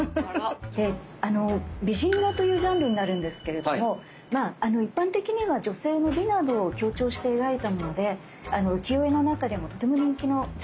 美人画というジャンルになるんですけれども一般的には女性の美などを強調して描いたもので浮世絵の中でもとても人気のジャンルなんです。